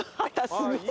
すごい。